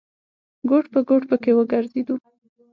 ګوټ په ګوټ پکې وګرځېدو.